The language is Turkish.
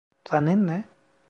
Planın ne?